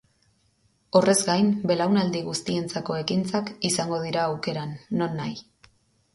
Horrez gain, belaunaldi guztientzako ekintzak izango dira aukeran, nonahi.